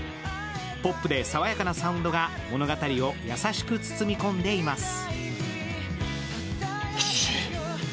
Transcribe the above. ポップで爽やかなサウンドが物語を優しく包み込んでいます。